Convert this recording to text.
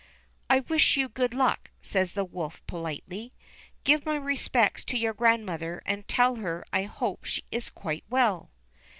"I wish you good luck," says the wolf politely. "Give my respects to your grandmother and tell her I hope she is quite well."